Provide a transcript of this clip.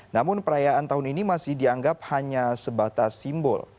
namun perayaan tahun ini masih dianggap hanya sebatas simbol